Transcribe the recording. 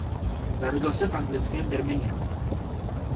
Narodil se v anglickém Birminghamu.